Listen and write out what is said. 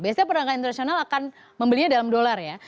biasanya perdagangan internasional akan membelinya dalam dolar ya